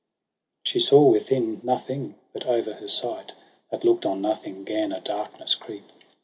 She saw within nothing : But o'er her sight That looked on nothing gan a darkness creep.